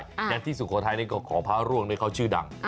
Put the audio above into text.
อย่างที่สุโขธัยในของพระร่วงเนี่ยเขาชื่อดัง